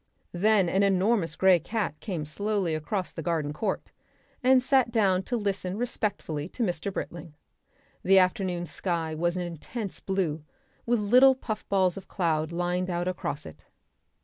Then an enormous grey cat came slowly across the garden court, and sat down to listen respectfully to Mr. Britling. The afternoon sky was an intense blue, with little puff balls of cloud lined out across it.